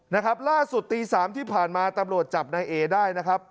นะครับล่าสุดตีสามที่ผ่านมาตำรวจจับนายเอได้นะครับ